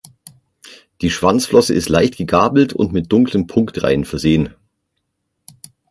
Die Schwanzflosse ist leicht gegabelt und mit dunklen Punktreihen versehen.